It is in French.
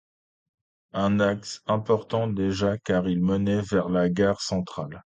Un axe important déjà, car il menait vers la gare centrale.